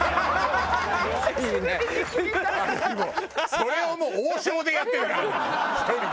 それをもう王将でやってたからね１人で。